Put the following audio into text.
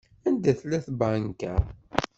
Anda tella tbanka?